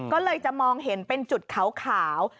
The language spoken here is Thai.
ก็เลยจะมองเห็นเป็นจุดขาว